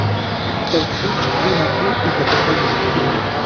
Дзяўчыне, юнаку і гэтак далей.